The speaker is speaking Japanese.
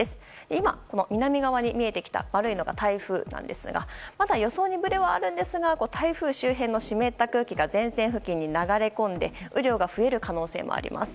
今、南側に見えてきた丸いのが台風なんですがまだ予想にぶれはあるんですが台風周辺の湿った空気が前線付近に流れ込んで雨量が増える可能性もあります。